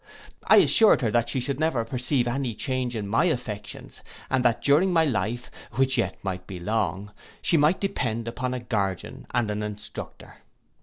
I assured her, that she should never perceive any change in my affections, and that during my life, which yet might be long, she might depend upon a guardian and an instructor.